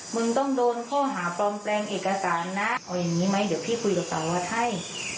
มึงต้องโดนข้อหาปลอมแปลงเอกสารนะเอาอย่างนี้ไหมเดี๋ยวพี่คุยกับสารวัตรให้